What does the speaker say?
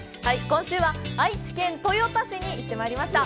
今週は愛知県豊田市に行ってまいりました。